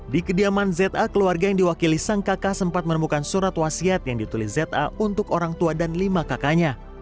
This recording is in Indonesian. di kediaman za keluarga yang diwakili sang kakak sempat menemukan surat wasiat yang ditulis za untuk orang tua dan lima kakaknya